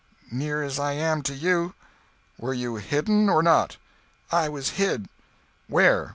"Near as I am to you." "Were you hidden, or not?" "I was hid." "Where?"